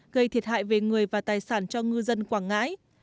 gây thiệt hại về người và tài sản cho ngư dân quảng ngãi